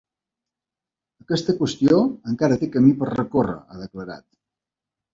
Aquesta qüestió encara té camí per recórrer, ha declarat.